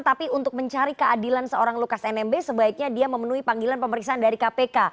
tapi untuk mencari keadilan seorang lukas nmb sebaiknya dia memenuhi panggilan pemeriksaan dari kpk